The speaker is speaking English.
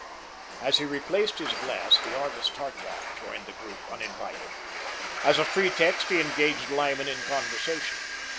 As he replaced his glass, the artist Hartrath joined the group uninvited. As a pretext, he engaged Lyman in conversation.